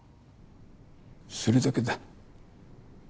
それだけだ。